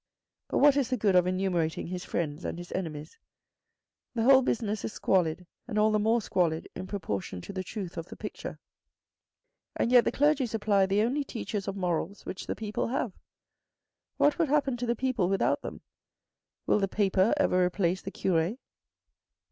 But what is the good of enumerating his friends and his enemies? The whole business is squalid, and all the more squalid in proportion to the truth of the picture. And yet the clergy supply the only teachers of morals which the people have. What would happen to the people without them ? Will the paper ever replace the cure ?